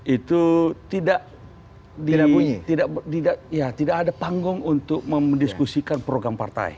itu tidak ada panggung untuk mendiskusikan program partai